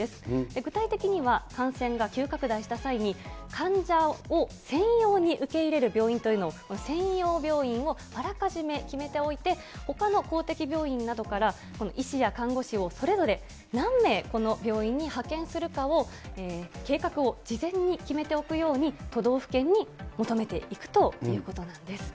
具体的には感染が急拡大した際に、患者を専用に受け入れる病院というのを、専用病院をあらかじめ決めておいて、ほかの公的病院などから医師や看護師をそれぞれ何名この病院に派遣するかを、計画を事前に決めておくように、都道府県に求めていくということなんです。